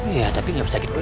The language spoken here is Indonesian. iya tapi gak usah gitu